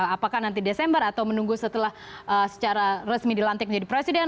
apakah nanti desember atau menunggu setelah secara resmi dilantik menjadi presiden